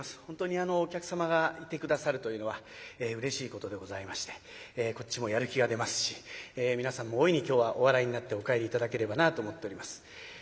本当にお客様がいて下さるというのはうれしいことでございましてこっちもやる気が出ますし皆さんも大いに今日はお笑いになってお帰り頂ければなぁと思っております。